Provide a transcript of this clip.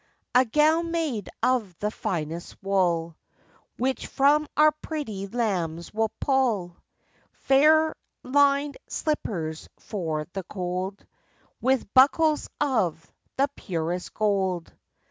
A gown made of the finest wool, Which from our pretty lambs we'll pull; Fair lined slippers for the cold, With buckles of the purest gold.